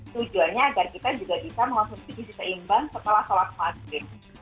tujuannya agar kita juga bisa mengonsumsi gizi seimbang setelah sholat maghrib